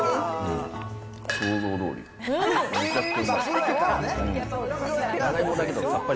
想像どおり。